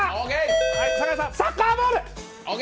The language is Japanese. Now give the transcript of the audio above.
サッカーボール。